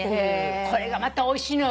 これがまたおいしいのよ。